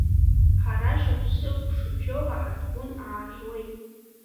Ҳара шықәсык шыбжьоу аҳаҭгәын аажуеит…